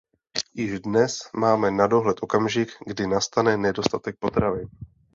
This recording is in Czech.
Již dnes máme na dohled okamžik, kdy nastane nedostatek potravin.